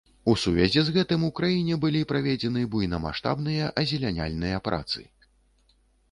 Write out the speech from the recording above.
У сувязі з гэтым, у краіне былі праведзены буйнамаштабныя азеляняльныя працы.